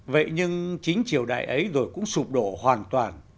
vậy nhưng chính triều đại ấy rồi cũng sụp đổ hoàn toàn